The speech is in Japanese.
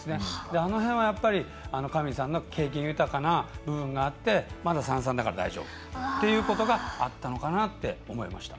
あの辺は、上地さんの経験豊かな部分があってまだ３−３だから大丈夫ということがあったのかなと思いました。